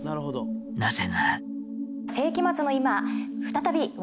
なぜなら。